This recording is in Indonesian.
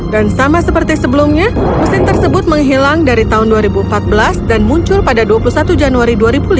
dan sama seperti sebelumnya mesin tersebut menghilang dari tahun dua ribu empat belas dan muncul pada dua puluh satu januari dua ribu lima belas